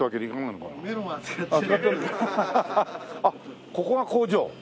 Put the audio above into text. あっここが工場？